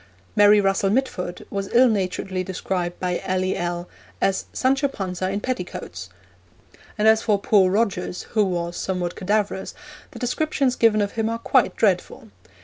Mary Russell Mitford was ill naturedly described by L.E.L. as 'Sancho Panza in petticoats!'; and as for poor Rogers, who was somewhat cadaverous, the descriptions given of him are quite dreadful.